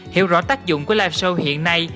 hiểu rõ tác dụng của live show hiện nay